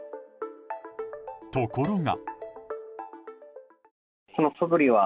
ところが。